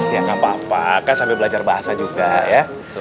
ya nggak apa apa kan sambil belajar bahasa juga ya